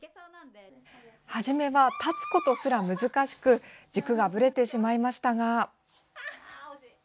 初めは立つことすら難しく軸がぶれてしまいましたが。